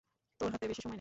তোর হাতে বেশি সময় নেই।